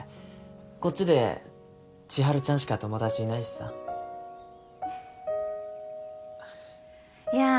こっちで千春ちゃんしか友達いないしさいやあ